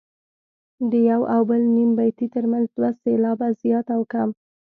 د یو او بل نیم بیتي ترمنځ دوه سېلابه زیات او کم.